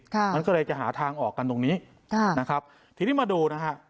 ค่ะมันก็เลยจะหาทางออกกันตรงนี้ค่ะนะครับทีนี้มาดูนะฮะ